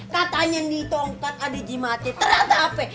katanya ditontak adik ji mati ternyata apa